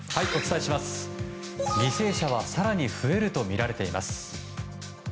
犠牲者は更に増えるとみられています。